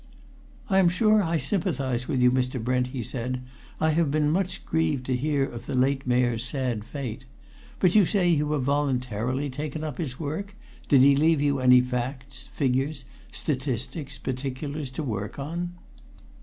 "I am sure I sympathize with you, Mr. Brent," he said. "I have been much grieved to hear of the late Mayor's sad fate. But you say you have voluntarily taken up his work? Did he leave you any facts, figures, statistics, particulars, to work on?"